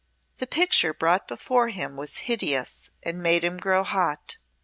The picture brought before him was hideous and made him grow hot.